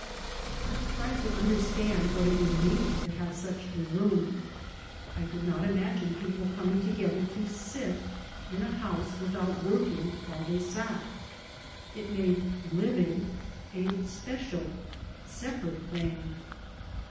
I tried to understand what it would mean to have such a room. I could not imagine people coming together to sit in a house without working while they sat It made " living " a special, separate, thing.